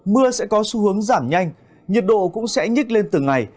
mưa sẽ có xu hướng giảm nhanh nhiệt độ cũng sẽ nhích lên từng ngày